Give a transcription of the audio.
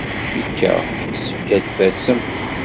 Cikkeɣ yessefk ad d-tasem.